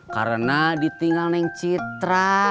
karena ditinggal citra